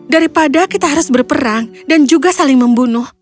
daripada kita harus berperang dan juga saling membunuh